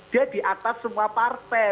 dia di atas semua partai